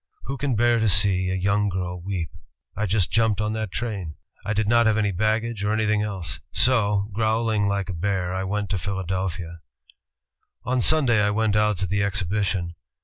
Who can bear to see a young girl weep? I just jimiped on that train. I did not have any baggage or anything else. So, growling like a bear, I went to Philadelphia "On Sunday I went out to the exhibition.